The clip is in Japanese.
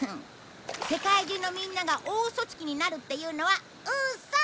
世界中のみんなが大ウソつきになるっていうのはウソ！